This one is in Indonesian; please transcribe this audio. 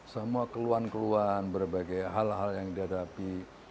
semua keluhan keluhan berbagai hal hal yang dihadapi